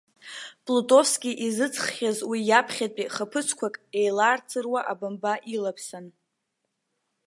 Плутовски изыҵххьаз уи иаԥхьатәи хаԥыцқәак еилаарцыруа абамба илаԥсан.